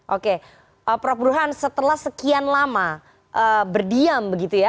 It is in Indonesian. oke prof burhan setelah sekian lama berdiam begitu ya